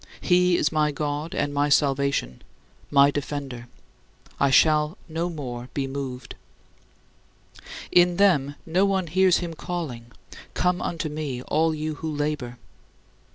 He is my God and my salvation, my defender; I shall no more be moved." In them, no one hears him calling, "Come unto me all you who labor."